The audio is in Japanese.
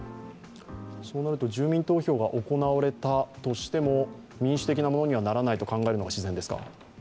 そうなると住民投票が行われたとしても民主的なものにはならないと考えるのが自然ですか？